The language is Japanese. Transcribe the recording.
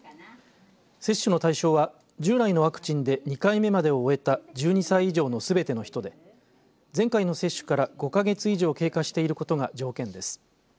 接種の対象は従来のワクチンで２回目までを終えた１２歳以上のすべての人で前回の接種から、５か月以上経過していることが条件です。